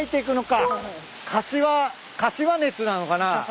柏「かしわねつ」なのかな？